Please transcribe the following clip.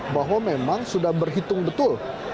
bahwa memang sudah berhitung betul